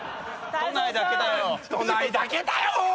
都内だけだよ！